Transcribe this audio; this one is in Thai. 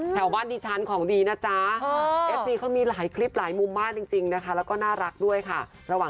แถวว่าดิชันของดีนะจ้า